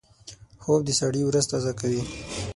خوب د سړي ورځ تازه کوي